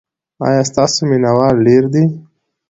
ایا ستاسو مینه وال ډیر دي؟